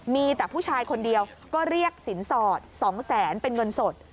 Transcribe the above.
มีแต่ผู้ชายคนเดียวก็เรียกสินสอด๒แสนเป็นเงินสด